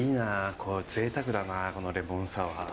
こうぜいたくだなこのレモンサワー。